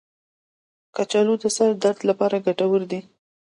کچالو د سر درد لپاره ګټور دی.